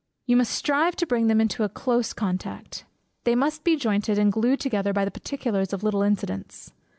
You must contrive to bring them into close contact; they must be jointed and glued together by the particularities of little incidents.